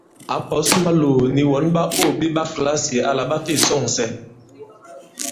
Ǎ pɔ̌s Maloò nì wɔn ɓàô ɓe ɓa kìlasì àla ɓa fe sɔ̂ŋsɛ.